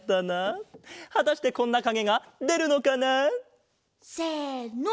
はたしてこんなかげがでるのかな？せの！